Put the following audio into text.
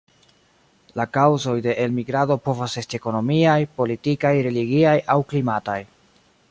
La kaŭzoj de elmigrado povas esti ekonomiaj, politikaj, religiaj aŭ klimataj.